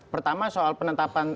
pertama soal penetapan